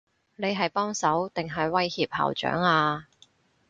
你係幫手，定係威脅校長啊？